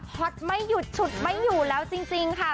ฮอตไม่หยุดฉุดไม่อยู่แล้วจริงค่ะ